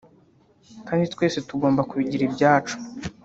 kandi twese tugomba kubigira ibyacu